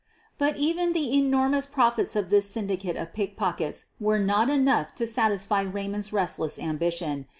But even the enormous profits of this syndicate of pickpockets were not enough to satisfy Ray mond's restless ambition.